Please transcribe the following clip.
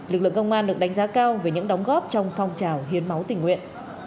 lực lượng công an được đánh giá cao về những đóng góp trong phong trào hiến máu tình nguyện